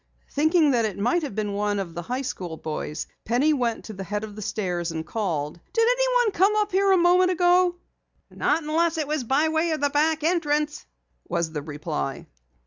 Thinking that it might have been one of the high school boys, Penny went to the head of the stairs and called: "Did anyone come up here a moment ago?" "Not unless it was by way of the back entrance," was the reply.